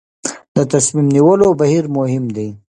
د تصمیم نیولو بهیر مهم دی